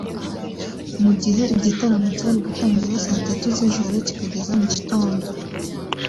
Mu gihe igitaramo cyari gutangira saa tatu z’ijoro kikageza mu gitondo